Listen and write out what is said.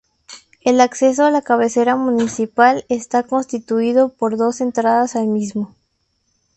El acceso a la cabecera municipal está constituido por dos entradas al mismo.